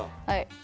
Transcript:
はい。